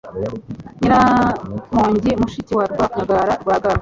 nyiramongi mushiki wa rwakagara rwa gaga